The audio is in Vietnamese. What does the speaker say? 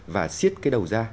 và siết cái đầu ra